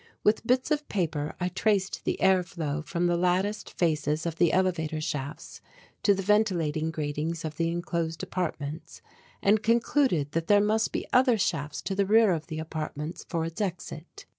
With bits of paper I traced the air flow from the latticed faces of the elevator shafts to the ventilating gratings of the enclosed apartments, and concluded that there must be other shafts to the rear of the apartments for its exit.